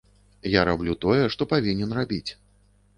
Я раблю тое, што павінен рабіць.